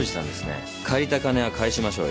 借りた金は返しましょうよ。